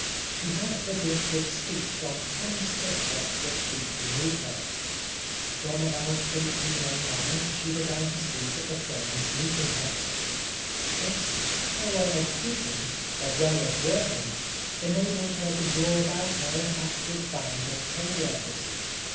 She had the gift of speech on any subject which deeply moved her. From about 1809 she began to speak at the Friends' meeting house. This power of speaking, as well as working, enabled her to draw about her an active band of co workers.